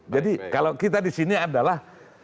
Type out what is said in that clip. jadi kalau kita disini adalah